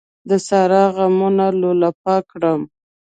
د سارا غمونو لولپه کړم.